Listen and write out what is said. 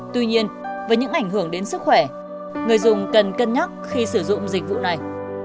tuy nhiên với những ảnh hưởng đến sức khỏe người dùng cần cân nhắc khi sử dụng dịch vụ này